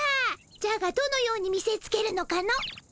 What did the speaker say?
じゃがどのように見せつけるのかの？